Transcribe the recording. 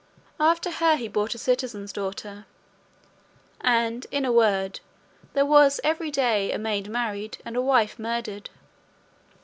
After her he brought a citizen's daughter; and, in a word, there was every day a maid married, and a wife murdered.